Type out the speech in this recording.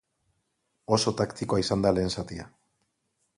Oso taktikoa izan da lehen zatia.